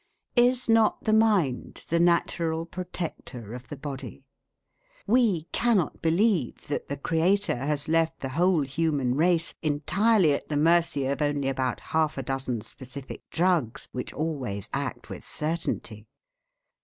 Is not the mind the natural protector of the body? We cannot believe that the Creator has left the whole human race entirely at the mercy of only about half a dozen specific drugs which always act with certainty.